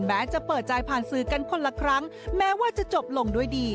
แม้จะเปิดใจผ่านสื่อกันคนละครั้งแม้ว่าจะจบลงด้วยดี